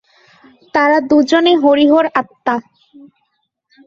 তারা দুজনে হরিহর আত্মা।